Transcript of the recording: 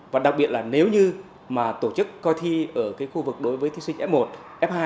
và đặc biệt là nếu như mà tổ chức coi thi ở khu vực đối với thí sinh f một f hai